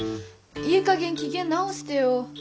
いいかげん機嫌直してよ。